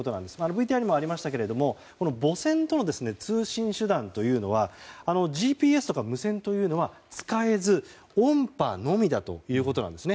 ＶＴＲにもありましたけれども母船との通信手段というのはＧＰＳや無線というのは使えず音波のみだということなんです。